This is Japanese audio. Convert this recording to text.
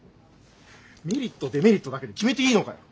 メリットデメリットだけで決めていいのかよ。